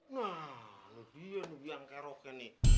nahh lebihnya lu yang keroke nih